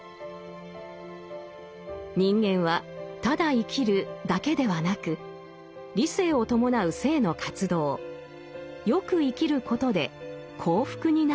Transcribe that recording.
人間は「ただ生きる」だけではなく理性を伴う生の活動「善く生きる」ことで「幸福」になるのです。